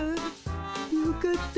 よかった。